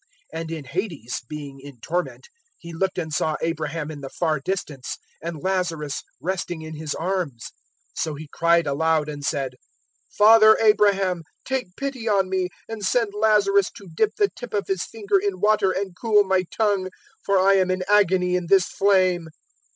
016:023 And in Hades, being in torment, he looked and saw Abraham in the far distance, and Lazarus resting in his arms. 016:024 So he cried aloud, and said, "`Father Abraham, take pity on me and send Lazarus to dip the tip of his finger in water and cool my tongue, for I am in agony in this flame.'